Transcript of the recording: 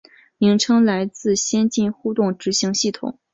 名称来自先进互动执行系统。